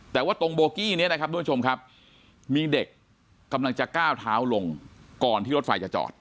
แต่ว่าตรงโบกี้นี้นะครับทุกผู้ชมครับมีเด็กกำลังจะก้าวเท้าลงก่อนที่รถไฟจะจอด